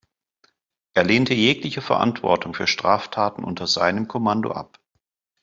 Er lehnte jegliche Verantwortung für Straftaten unter seinem Kommando ab.